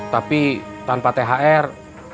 tapi tanpa thr